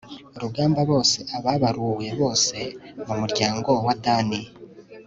rugamba bose ababaruwe bose mu muryango wa dani